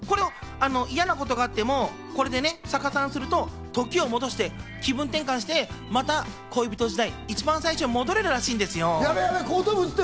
嫌なことがあっても、逆さにすると時を戻して、気分転換して、また恋人時代、一番最初に戻れるらしいんですよ。